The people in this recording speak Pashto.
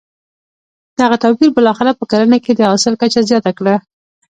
دغه توپیر بالاخره په کرنه کې د حاصل کچه زیانه کړه.